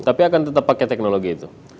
tapi akan tetap pakai teknologi itu